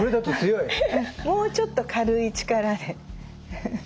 もうちょっと軽い力で。